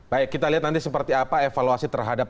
baik kita lihat nanti seperti apa evaluasi terhadap